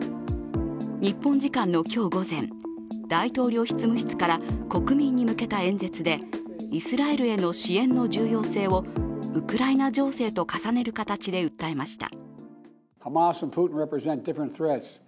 日本時間の今日午前、大統領執務室から国民に向けた演説でイスラエルへの支援の重要性をウクライナ情勢と重ねる形で訴えました。